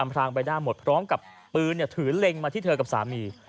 พรางใบหน้าหมดพร้อมกับปืนถือเล็งมาที่เธอกับสามี